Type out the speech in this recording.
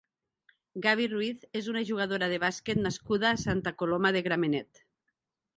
Gaby Ruiz és un jugadora de bàsquet nascut a Santa Coloma de Gramenet.